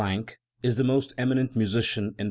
is the most eminent musician in